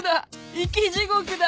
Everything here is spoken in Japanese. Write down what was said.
生き地獄だ！